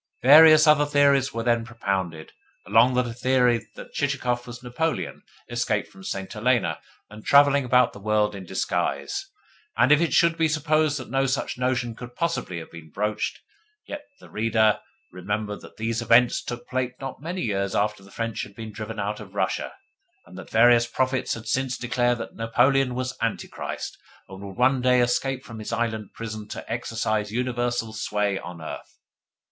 Various other theories were then propounded, among them a theory that Chichikov was Napoleon, escaped from St. Helena and travelling about the world in disguise. And if it should be supposed that no such notion could possibly have been broached, let the reader remember that these events took place not many years after the French had been driven out of Russia, and that various prophets had since declared that Napoleon was Antichrist, and would one day escape from his island prison to exercise universal sway on earth.